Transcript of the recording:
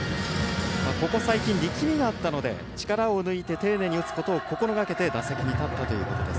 ここ最近、力みがあったので力を抜いて丁寧に打つことを心がけて打席に立ったという話です。